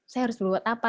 saya harus berbuat apa